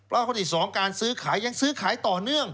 แล้วข้อที่๒การซื้อขายยังซื้อขายต่อเนื่อง